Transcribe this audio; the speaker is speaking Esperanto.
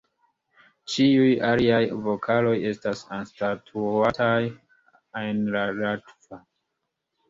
Ĉiuj aliaj vokaloj estas anstataŭataj en la latva.